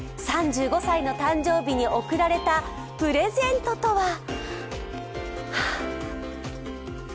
３５歳の誕生日に贈られたプレゼントとは。